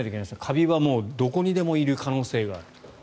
カビはどこにでもいる可能性がある。